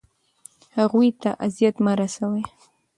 هغوی ته اذیت مه رسوئ.